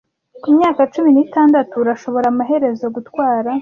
Ku myaka cumi n'itandatu, urashobora amaherezo gutwara,